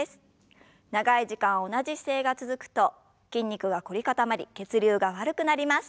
長い時間同じ姿勢が続くと筋肉が凝り固まり血流が悪くなります。